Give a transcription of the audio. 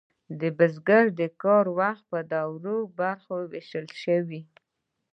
د بزګرانو د کار وخت په دوو برخو ویشل شوی و.